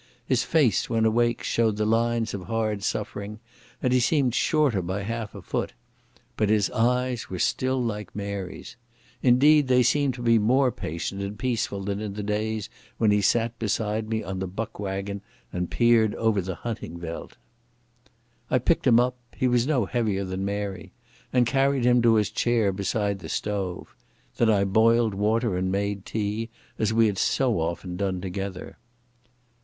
His face, when awake, showed the lines of hard suffering and he seemed shorter by half a foot. But his eyes were still like Mary's. Indeed they seemed to be more patient and peaceful than in the days when he sat beside me on the buck waggon and peered over the hunting veld. I picked him up—he was no heavier than Mary—and carried him to his chair beside the stove. Then I boiled water and made tea, as we had so often done together.